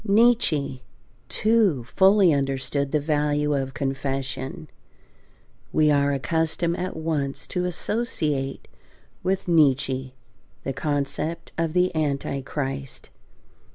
Nietzsche, too, fully understood the value of confession. We are accustomed at once to associate with Nietzsche the concept of the Antichrist.